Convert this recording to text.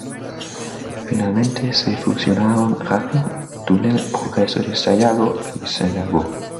Finalmente se fusionaron Racing, Túnel, Progreso de Sayago y Sayago.